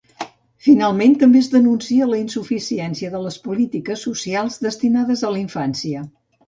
Finalment, també es denuncia la insuficiència de les polítiques socials destinades a la infància.